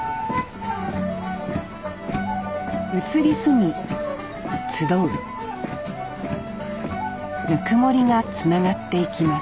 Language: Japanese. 移り住み集うぬくもりがつながっていきます